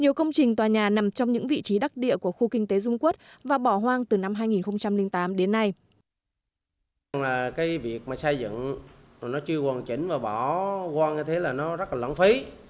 nhiều công trình tòa nhà nằm trong những vị trí đắc địa của khu kinh tế dung quốc và bỏ hoang từ năm hai nghìn tám đến nay